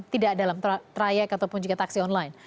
tidak dalam trayek ataupun juga taksi online